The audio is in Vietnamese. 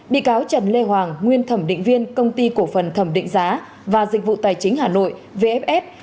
bị cáo trần lê hoàng nguyên thẩm định viên công ty cổ phần thẩm định giá và dịch vụ tài chính hà nội vfs